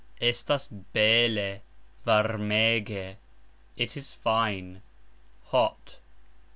Estas beld, varmege. It is fine, hot.